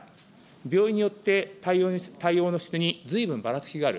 病院によって対応の質にずいぶんばらつきがある。